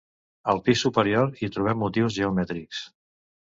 Al pis superior hi trobem motius geomètrics.